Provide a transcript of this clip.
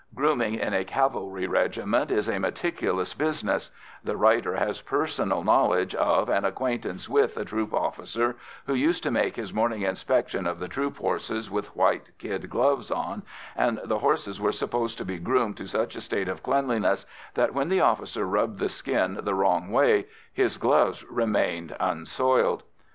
Grooming in a cavalry regiment is a meticulous business; the writer has personal knowledge of and acquaintance with a troop officer who used to make his morning inspection of the troop horses with white kid gloves on, and the horses were supposed to be groomed to such a state of cleanliness that when the officer rubbed the skin the wrong way his gloves remained unsoiled.